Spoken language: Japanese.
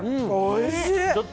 おいしい。